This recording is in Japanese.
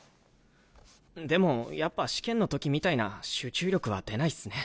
でもやっぱ試験のときみたいな集中力は出ないっすね。